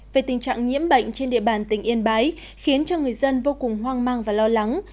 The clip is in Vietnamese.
về tình trạng nhiễm bệnh trên địa bàn tỉnh yên bái khiến cho người dân vô cùng hoang mang và lo lắng